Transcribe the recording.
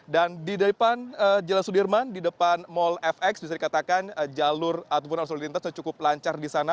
dan di depan jalan sudirman di depan mall fx bisa dikatakan jalur ataupun arsul lintas sudah cukup lancar di sana